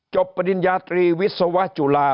ปริญญาตรีวิศวจุฬา